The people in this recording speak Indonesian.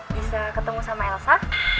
bisa ketemu sama elsa